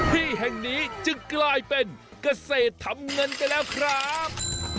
ที่แห่งนี้จึงกลายเป็นเกษตรทำเงินไปแล้วครับ